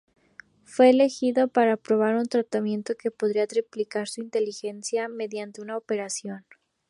Es elegido para probar un tratamiento que podría triplicar su inteligencia mediante una operación.